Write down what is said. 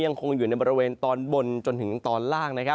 ยังคงอยู่ในบริเวณตอนบนจนถึงตอนล่าง